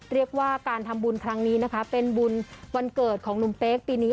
เรียกว่าการทำบุญครั้งนี้นะคะเป็นบุญวันเกิดของหนุ่มเป๊กปีนี้